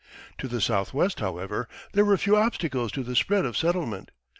To the southwest, however, there were few obstacles to the spread of settlement.